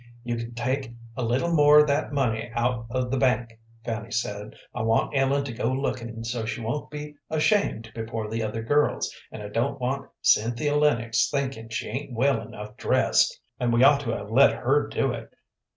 "You can take a little more of that money out of the bank," Fanny said. "I want Ellen to go looking so she won't be ashamed before the other girls, and I don't want Cynthia Lennox thinking she ain't well enough dressed, and we ought to have let her do it.